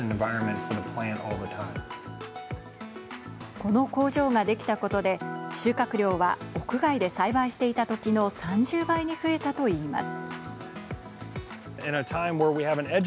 この工場が出来たことで、収穫量は屋外で栽培していたときの３０倍に増えたといいます。